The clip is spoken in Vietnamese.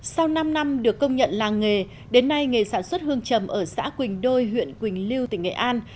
sau năm năm được công nhận làng nghề đến nay nghề sản xuất hương trầm ở xã quỳnh đôi huyện quỳnh lưu tỉnh nghệ an